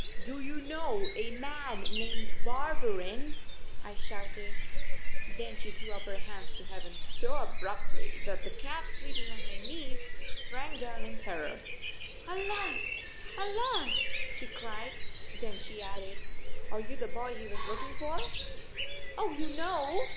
"Do you know a man named Barberin?" I shouted. Then she threw up her hands to heaven so abruptly that the cat sleeping on her knees sprang down in terror. "Alas! Alas!" she cried, then she added: "Are you the boy he was looking for?" "Oh, you know?"